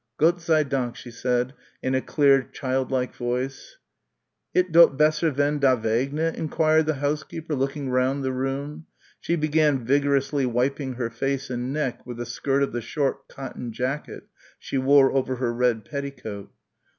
"Gott sei Dank," she said, in a clear child like voice. "It dot besser wenn da regnet?" enquired the housekeeper, looking round the room. She began vigorously wiping her face and neck with the skirt of the short cotton jacket she wore over her red petticoat.